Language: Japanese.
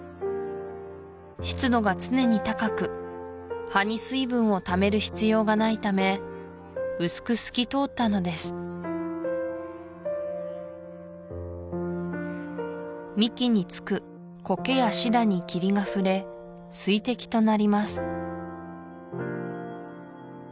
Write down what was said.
湿度が常に高く葉に水分をためる必要がないため薄く透き通ったのです幹につくコケやシダに霧が触れ水滴となります